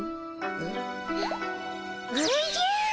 おじゃ！